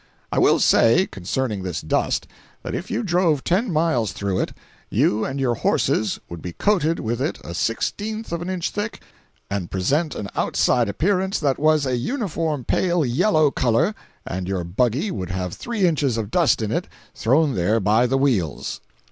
I will say, concerning this dust, that if you drove ten miles through it, you and your horses would be coated with it a sixteenth of an inch thick and present an outside appearance that was a uniform pale yellow color, and your buggy would have three inches of dust in it, thrown there by the wheels.